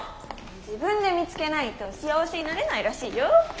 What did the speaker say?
自分で見つけないと幸せになれないらしいよ。